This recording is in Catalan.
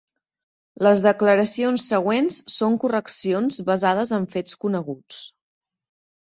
Les declaracions següents són correccions basades en fets coneguts.